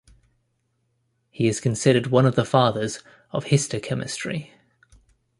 He is considered one of the fathers of histochemistry.